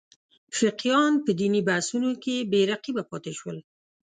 فقیهان په دیني بحثونو کې بې رقیبه پاتې شول.